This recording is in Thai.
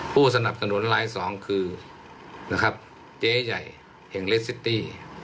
ผู้สนับสนุนรายสองคือนะครับเจ๊ใหญ่แห่งเลสซิตี้